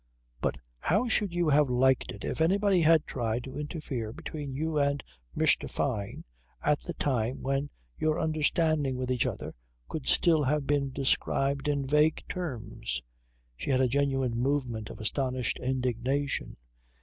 But how should you have liked it if anybody had tried to interfere between you and Mr. Fyne at the time when your understanding with each other could still have been described in vague terms?" She had a genuine movement of astonished indignation.